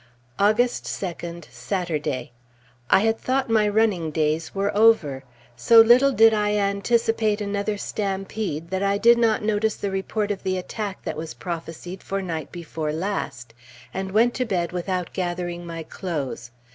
August 2d, Saturday. I had thought my running days were over; so little did I anticipate another stampede that I did not notice the report of the attack that was prophesied for night before last, and went to bed without gathering my clothes.